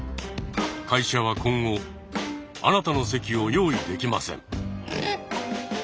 会社は今後あなたの席を用意できません。